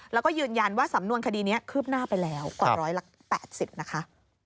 แล้วก็ยืนยันว่าสำนวนคดีนี้คืบหน้าไปแล้วกว่า๑๘๐นะคะ